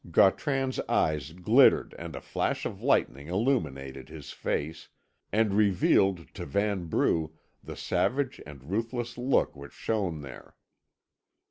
Gautran's eyes glittered and a flash of lightning illuminated his face, and revealed to Vanbrugh the savage and ruthless look which shone there.